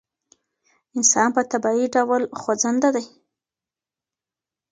انسان په طبعي ډول خوځنده دی.